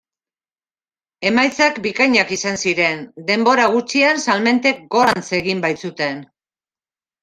Emaitzak bikainak izan ziren, denbora gutxian salmentek gorantz egin baitzuten.